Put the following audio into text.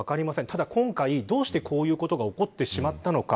ただ今回、どうしてこういうことが起こってしまったのか。